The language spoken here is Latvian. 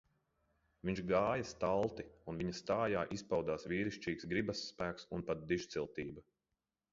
Viņš gāja stalti un viņa stājā izpaudās vīrišķīgs gribas spēks un pat dižciltība.